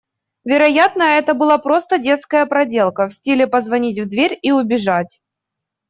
Вероятно, это была просто детская проделка, в стиле позвонить в дверь и убежать.